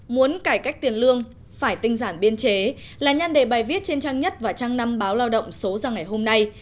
muốn cải cách tiền lương phải tinh giản biên chế là nhan đề bài viết trên trang nhất và trang năm báo lao động số ra ngày hôm nay